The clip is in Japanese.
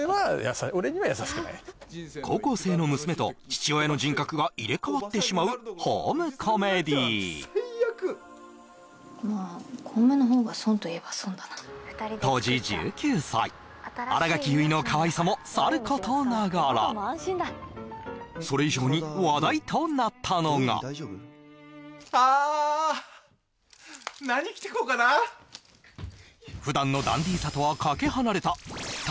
高校生の娘と父親の人格が入れ替わってしまうホームコメディーまあ小梅のほうが損といえば損だな当時１９歳新垣結衣のかわいさもさることながらそれ以上に話題となったのがあ何着て行こうかな普段のダンディさとはかけ離れた舘